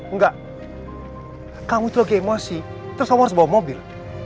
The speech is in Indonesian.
enggak kamu itu lagi emosi terus kamu harus bawa mobil